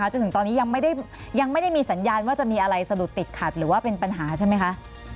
จนถึงตอนนี้ยังไม่ได้มีสัญญาณว่าจะมีอะไรสะดุดติดขัดหรือว่าเป็นปัญหาใช่ไหมคะ